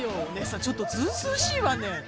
お姉さんちょっとずうずうしいわね